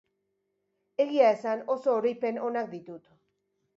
Egia esan, oso oroipen onak ditut.